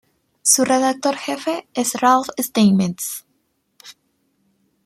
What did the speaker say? Su redactor jefe es Ralf Steinmetz.